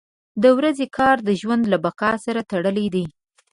• د ورځې کار د ژوند له بقا سره تړلی دی.